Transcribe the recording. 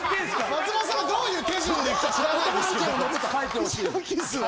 松本さんがどういう手順でいくか知らないですけど一応キスは。